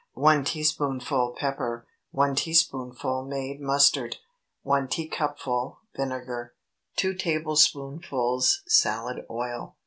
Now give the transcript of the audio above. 1 teaspoonful pepper. 1 teaspoonful made mustard. 1 teacupful vinegar. 2 tablespoonfuls salad oil.